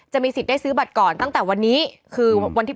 จะมีสิทธิ์ได้ซื้อบัตรก่อนตั้งแต่วันนี้